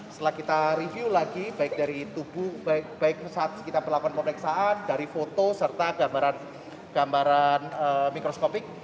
setelah kita review lagi baik dari tubuh baik saat kita melakukan pemeriksaan dari foto serta gambaran mikroskopik